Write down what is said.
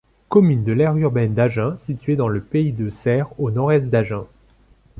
Commune de l'aire urbaine d'Agen située dans le Pays de Serres au nord-est d'Agen.